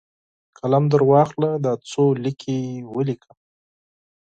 قلم درواخله ، دا څو لیکي ولیکه!